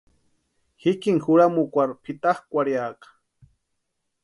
Jikini juramukwarhu pʼitakwʼarhiaka.